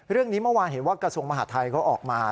เรื่องนี้เมื่อวานเห็นว่ากระทรวงมหาทัยเขาออกมา